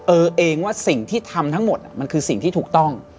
เออเองว่าสิ่งที่ทำทั้งหมดมันคือสิ่งที่ถูกต้อง